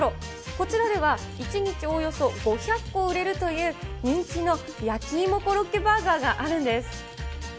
こちらでは、１日およそ５００個売れるという人気の焼き芋コロッケバーガーがあるんです。